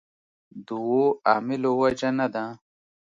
دوو عاملو وجه نه ده.